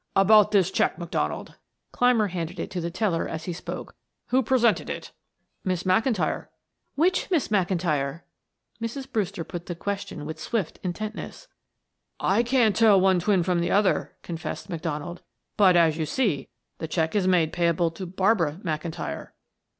"About this check, McDonald," Clymer handed it to the teller as he spoke. "Who presented it?" "Miss McIntyre." "Which Miss McIntyre?" Mrs. Brewster put the question with swift intentness. "I can't tell one twin from the other," confessed McDonald. "But, as you see, the check is made payable to Barbara McIntyre."